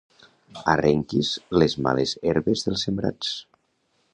Arrenquis les males herbes dels sembrats.